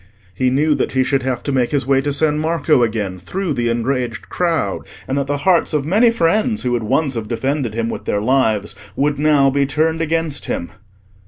He knew that he should have to make his way to San Marco again through the enraged crowd, and that the hearts of many friends who would once have defended him with their lives would now be turned against him.